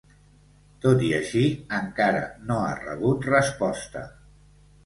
Tot i així, encara no ha rebut resposta.